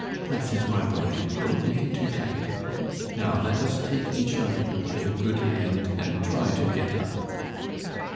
"That's it, my boy. Don't make it too tight. Now, let us take each other by the good hand and try to get up."